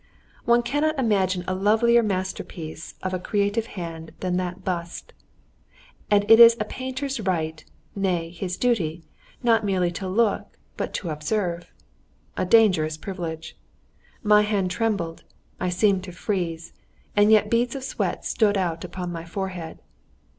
One cannot imagine a lovelier masterpiece of a creative hand than that bust. And it is a painter's right, nay, his duty, not merely to look, but to observe. A dangerous privilege. My hand trembled, I seemed to freeze, and yet beads of sweat stood out upon my forehead....